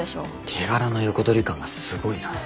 手柄の横取り感がすごいな。